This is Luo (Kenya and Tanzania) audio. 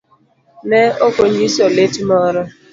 Ne okonyiso lit moro.